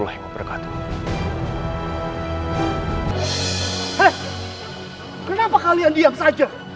ada pada sana